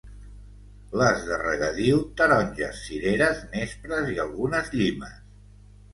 Les de regadiu, taronges, cireres, nespres i algunes llimes.